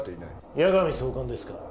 矢上総監ですか？